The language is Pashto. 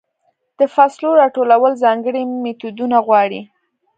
د فصلو راټولول ځانګړې میتودونه غواړي.